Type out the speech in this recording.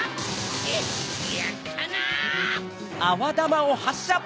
やったな！